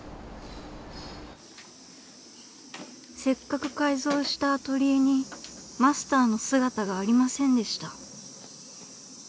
［せっかく改造したアトリエにマスターの姿がありませんでした］